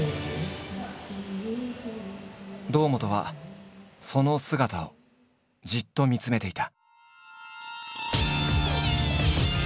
堂本はその姿をじっと見つめていた。